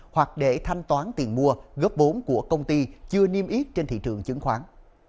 hoặc để thanh toán tiền mua góp vốn của công ty chưa niêm yết trên thị trường chứng khoán